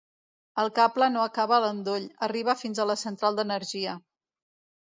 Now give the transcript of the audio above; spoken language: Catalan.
El cable no acaba a l'endoll, arriba fins a la central d'energia.